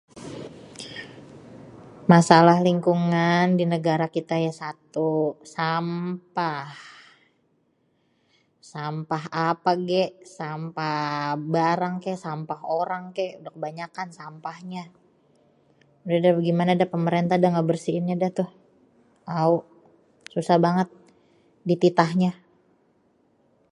Masalah lingkungan di negara kita ya satu sampah, sampah apé gé, sampah barang ke, sampah orang ké, udeh kebanyakan sampah nye, udéh déh gimané deh pemerenteh ngebersihinnya deh tuh, au susah banget dititahnyah.